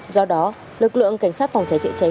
do đó lực lượng cảnh sát phòng cháy chữa cháy